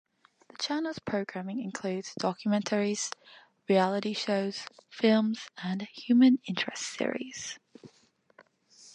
The channel's programming includes documentaries, reality shows, films, and human interest series.